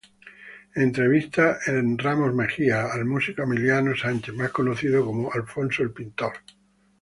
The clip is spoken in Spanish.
Entrevista en Ramos Mejía al músico Emiliano Sánchez más conocido como "Alfonso El Pintor".